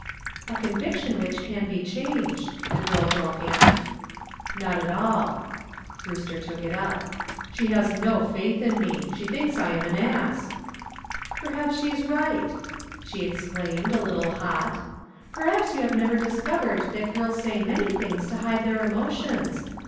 "A conviction which can be changed," the girl broke in. "Not at all." Brewster took it up. "She has no faith in me. She thinks I'm an ass." "Perhaps she's right," she exclaimed, a little hot. "Perhaps you have never discovered that girls say many things to hide their emotions.